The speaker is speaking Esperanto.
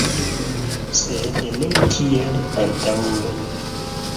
Sed ne kiel antaŭe.